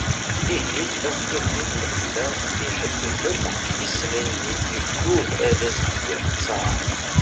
ihi awtul-nni n lexla iḥellel akk isɣi-nni yeggul ad as-d-yerr ttar